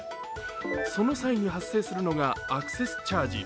その際に発生するのがアクセスチャージ。